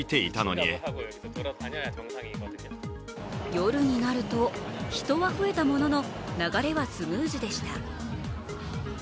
夜になると人は増えたものの流れはスムーズでした。